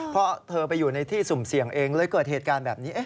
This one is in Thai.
เพราะเธอไปอยู่ในที่สุ่มเสี่ยงเองเลยเกิดเหตุการณ์แบบนี้